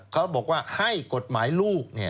เขาบอกว่าให้กฎหมายลูก